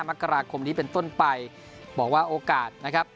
มกราคมนี้เป็นต้นไปบอกว่าโอกาสนะครับ